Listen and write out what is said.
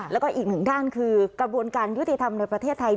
แล้วก็อีกหนึ่งด้านคือกระบวนการยุติธรรมในประเทศไทย